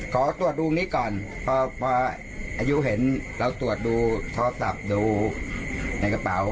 ขอตรวจดูนี้ก่อนพออายุเห็นเราตรวจดูโทรศัพท์ดูในกระเป๋า